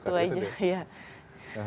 sejak itu aja